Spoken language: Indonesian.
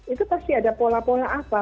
itu pasti ada pola pola apa